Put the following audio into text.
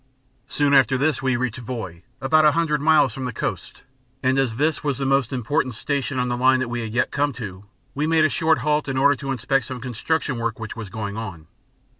Soon after this we reached Voi, about a hundred miles from the coast, and as this was the most important station on the line that we had yet come to, we made a short halt in order to inspect some construction work which was going on.